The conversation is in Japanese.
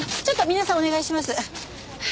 ちょっと皆さんお願いします。